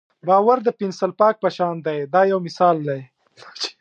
باور د پنسل پاک په شان دی دا یو مثال دی.